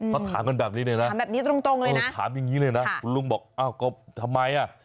เขาถามกันแบบนี้เลยนะถามอย่างงี้เลยนะคุณลุงบอกอ้าวก็ทำไม